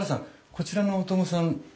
こちらの小友さん